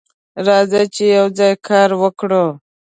راځه چې یوځای کار وکړو.